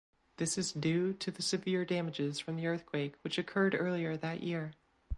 This is due to severe damages from the earthquake which occurred earlier that year.